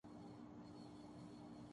عامر Khan T Series کے گلشن کمار بنیں گے